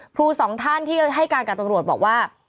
สองท่านที่ให้การกับตำรวจบอกว่า